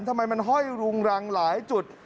ทำไมมันห้อยรุงรังหลายจุด